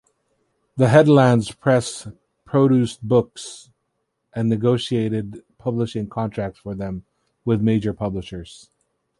The Headlands Press produced books and negotiated publishing contracts for them with major publishers.